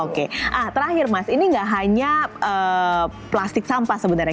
oke terakhir mas ini nggak hanya plastik sampah sebenarnya